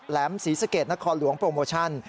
แหมศรีสะเกดนครหลวงโปรโมชั่น